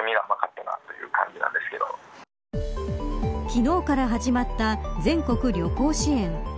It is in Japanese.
昨日から始まった全国旅行支援。